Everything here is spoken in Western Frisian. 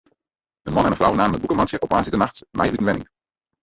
In man en in frou namen it bûkemantsje de woansdeitenachts mei út in wenning.